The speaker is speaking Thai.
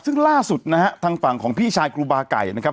ซึ่งล่าสุดนะฮะทางฝั่งของพี่ชายครูบาไก่นะครับ